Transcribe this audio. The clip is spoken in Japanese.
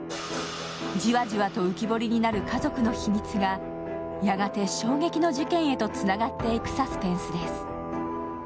じわじわと浮き彫りになる家族の秘密がやがて衝撃の事件へとつながっていくサスペンスです。